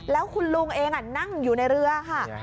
แล้วคุณลุงเองนั่งอยู่ในเรือค่ะ